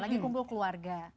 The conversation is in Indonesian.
lagi kumpul keluarga